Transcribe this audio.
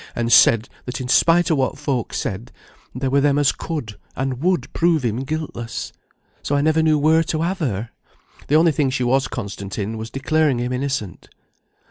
and said, that in spite of what folk said, there were them as could, and would prove him guiltless. So I never knew where to have her. The only thing she was constant in, was declaring him innocent."